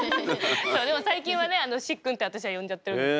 最近はね「しっくん」って私は呼んじゃってるんですけど。